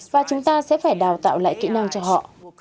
và chúng ta sẽ phải đào tạo lại kỹ năng cho họ